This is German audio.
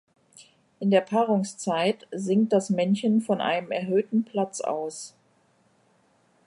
In der Paarungszeit singt das Männchen von einem erhöhten Platz aus.